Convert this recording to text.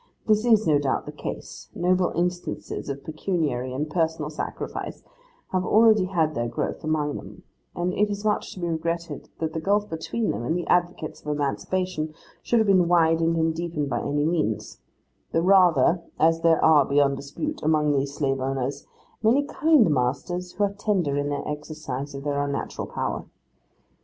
This is, no doubt, the case; noble instances of pecuniary and personal sacrifice have already had their growth among them; and it is much to be regretted that the gulf between them and the advocates of emancipation should have been widened and deepened by any means: the rather, as there are, beyond dispute, among these slave owners, many kind masters who are tender in the exercise of their unnatural power.